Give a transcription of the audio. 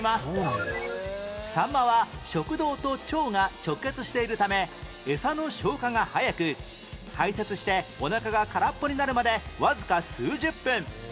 さんまは食道と腸が直結しているためエサの消化が早く排泄しておなかが空っぽになるまでわずか数十分